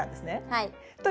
はい。